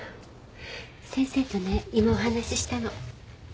先生とね今お話ししたの。